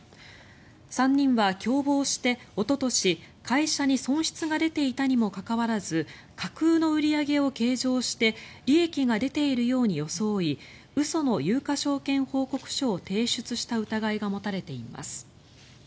３人は共謀して、おととし会社に損失が出ていたにもかかわらず架空の売り上げを計上して利益が出ているように装い嘘の有価証券報告書を提出した疑いが持たれています。